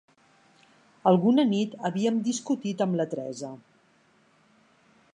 Alguna nit havíem discutit amb la Teresa.